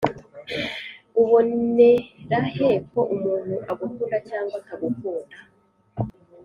Ubonerahe ko umuntu agukunda cyangwa atagukunda